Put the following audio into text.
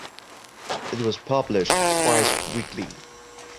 It was published twice weekly.